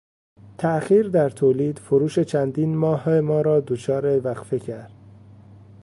تاخیر در تولید، فروش چندین ماه مارا دچار وقفه کرد.